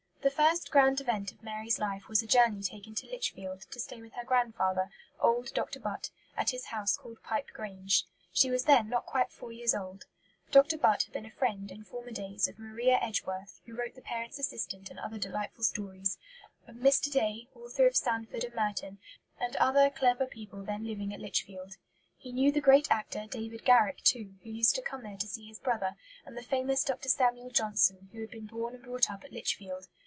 The first grand event of Mary's life was a journey taken to Lichfield, to stay with her grandfather, old Dr. Butt, at his house called Pipe Grange. She was then not quite four years old. Dr. Butt had been a friend, in former days, of Maria Edgeworth, who wrote the Parents' Assistant and other delightful stories; of Mr. Day, author of Sandford and Merton; and other clever people then living at Lichfield. He knew the great actor, David Garrick, too, who used to come there to see his brother; and the famous Dr. Samuel Johnson, who had been born and brought up at Lichfield.